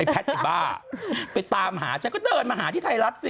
แพทย์จะบ้าไปตามหาฉันก็เดินมาหาที่ไทยรัฐสิ